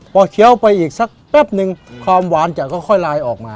พอเคี้ยวไปอีกสักแป๊บนึงความหวานจะค่อยลายออกมา